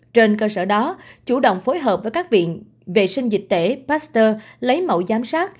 trên cơ sở đó chủ động phối hợp với các viện vệ sinh dịch tễ pasteur lấy mẫu giám sát